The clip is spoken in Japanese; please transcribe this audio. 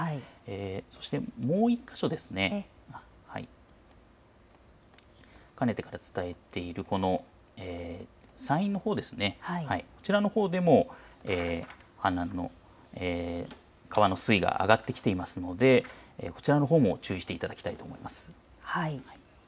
そして、もう１か所、かねてから伝えている山陰のほう、こちらのほうでも川の水位が上がってきていますのでこちらのほうも注意していただきたいと思います。